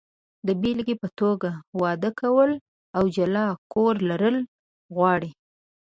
د بېلګې په توګه، واده کول او جلا کور لرل غواړي.